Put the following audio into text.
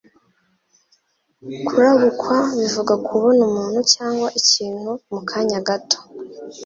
Kurabukwa bivuga Kubona umuntu cyangwa ikintu mu kanya gato.